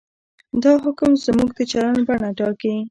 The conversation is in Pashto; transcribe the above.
دا حکم زموږ د چلند بڼه ټاکي.